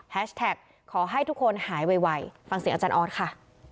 แท็กขอให้ทุกคนหายไวฟังเสียงอาจารย์ออสค่ะ